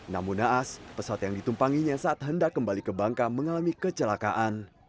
namun naas pesawat yang ditumpanginya saat hendak kembali ke bangka mengalami kecelakaan